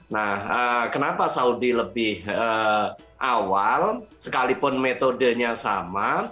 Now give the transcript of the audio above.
nah kenapa saudi lebih awal sekalipun metodenya sama